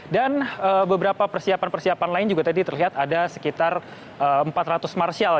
dan beberapa persiapan persiapan lain juga tadi terlihat ada sekitar empat ratus marshal